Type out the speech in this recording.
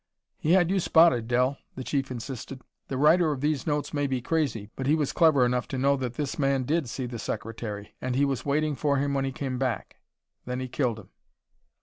"He had you spotted, Del," the Chief insisted. "The writer of these notes may be crazy, but he was clever enough to know that this man did see the Secretary. And he was waiting for him when he came back; then he killed him."